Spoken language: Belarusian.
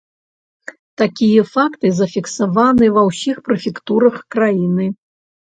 Такія факты зафіксаваныя ва ўсіх прэфектурах краіны.